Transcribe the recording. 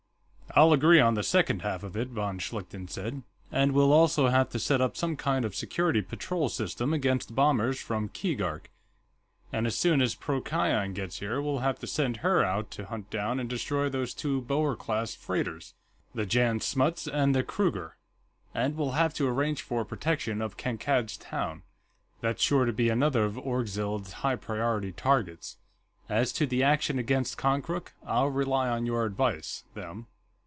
"I'll agree on the second half of it," von Schlichten said. "And we'll also have to set up some kind of security patrol system against bombers from Keegark. And as soon as Procyon gets here, we'll have to send her out to hunt down and destroy those two Boer class freighters, the Jan Smuts and the Kruger. And we'll have to arrange for protection of Kankad's Town; that's sure to be another of Orgzild's high priority targets. As to the action against Konkrook, I'll rely on your advice, Them.